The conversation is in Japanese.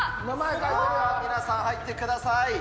それでは皆さん、入ってください。